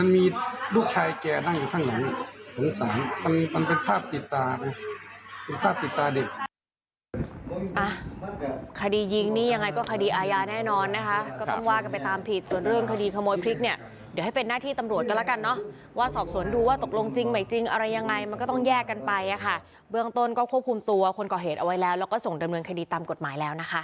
มีลูกชายแกด้งข้างหลังสงสารมันเป็นภาพติดตาดิ